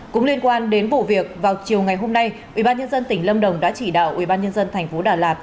cũng liên quan đến vụ việc vào chiều ngày hôm nay ubnd tỉnh lâm đồng đã chỉ đạo ubnd tp đà lạt